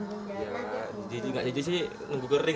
nggak jijik sih nunggu kering